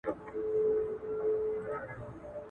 ماشومان ډېر د درد له امله ژاړي.